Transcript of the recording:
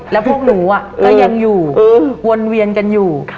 แล้วพวกหนูก็ยังอยู่วนเวียนกันอยู่